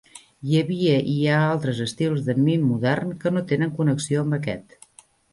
Hi havia i hi ha altres estils de mim modern que no tenen connexió amb aquest.